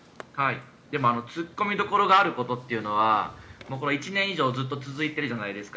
突っ込みどころがあることっていうのは１年以上ずっと続いているじゃないですか。